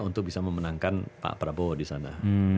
untuk bisa memenangkan pak prabowo di sana